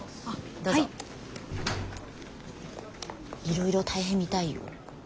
いろいろ大変みたいよ。